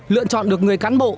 lựa chọn được người cán bộ